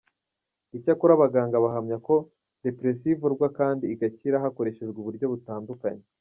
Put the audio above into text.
Icyakora abaganga bahamya ko depression ivurwa kandi igakira, hakoreshejwe uburyo butandukanye.